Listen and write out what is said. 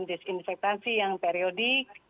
disinfektasi yang periodik